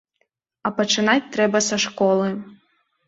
А пачынаць трэба са школы.